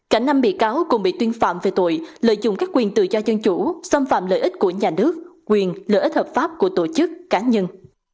cả năm bị cáo cũng bị tuyên phạm về tội lợi dụng các quyền tự do dân chủ xâm phạm lợi ích của nhà nước quyền lợi ích hợp pháp của tổ chức cá nhân